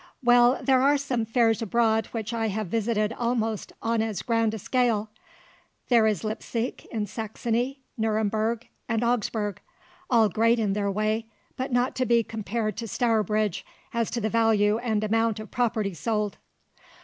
"Well, there are some fairs abroad which I have visited almost on as grand a scale. There is Leipsic in Saxony, Neuremberg, and Augsburg, all great in their way, but not to be compared to Stourbridge as to the value and amount of property sold."